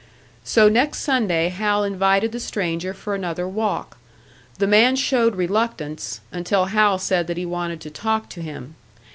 So next Sunday Hal invited the stranger for another walk. The man showed reluctance until Hal said that he wanted to talk to him.